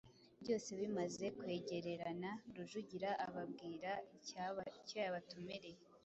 Byose bimaze kwegererana, Rujugira ababwira icyo yabatumiriye,